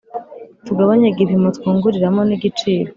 tugabanye igipimo twunguriramo n’igiciro,